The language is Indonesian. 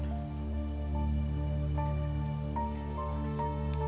tidak ada yang maksa